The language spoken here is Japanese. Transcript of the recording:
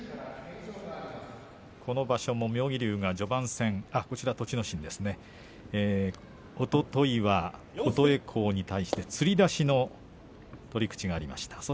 この場所も妙義龍が序盤戦おとといは琴恵光に対してつり出しの取り口がありました。